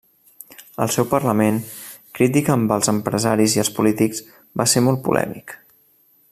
El seu parlament, crític amb els empresaris i els polítics, va ser molt polèmic.